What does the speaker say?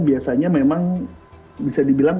biasanya memang bisa dibilang